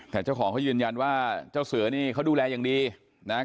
แต่เจ้าของเขายืนยันว่าเจ้าเสือนี่เขาดูแลอย่างดีนะครับ